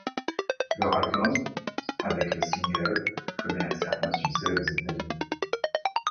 Leur album ' avec le single ' connaît un certain succès aux États-Unis.